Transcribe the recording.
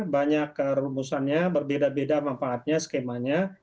banyak rumusannya berbeda beda manfaatnya skemanya